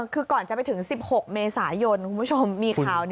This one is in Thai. คือก่อนจะไปถึง๑๖เมษายนคุณผู้ชมมีข่าว